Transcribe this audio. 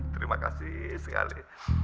terima kasih sekali